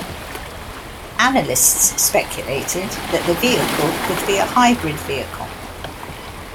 Analysts speculated that the vehicle could be a hybrid vehicle.